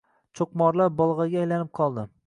Cho’qmorlar bolg’aga aylanib qoldi.